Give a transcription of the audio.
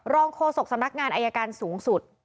โฆษกสำนักงานอายการสูงสุด